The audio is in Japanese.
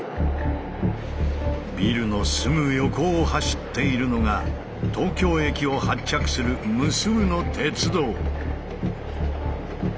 ビルのすぐ横を走っているのが東京駅を発着する無数の鉄道。